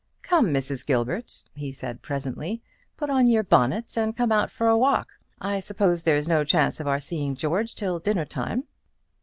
"Come, Mrs. Gilbert," he said, presently, "put on your bonnet, and come out for a walk. I suppose there's no chance of our seeing George till dinner time."